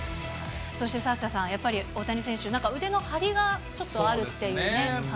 そしてサッシャさん、やっぱり大谷選手、腕の張りがちょっとあるっていうね、感じで。